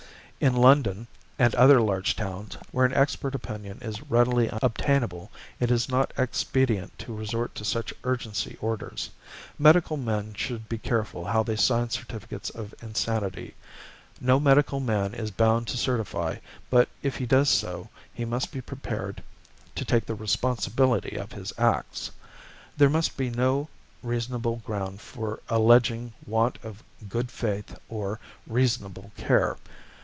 In London and other large towns, where an expert opinion is readily obtainable, it is not expedient to resort to such urgency orders. Medical men should be careful how they sign certificates of insanity. No medical man is bound to certify, but if he does so he must be prepared to take the responsibility of his acts. There must be no reasonable ground for alleging want of 'good faith' or 'reasonable care.'